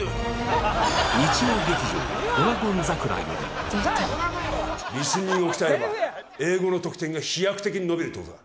日曜劇場「ドラゴン桜」より出たリスニングを鍛えれば英語の得点が飛躍的に伸びるってことだ